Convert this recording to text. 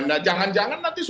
nah jangan jangan nanti